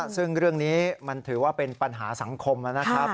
ซึ่งเรื่องนี้มันถือว่าเป็นปัญหาสังคมนะครับ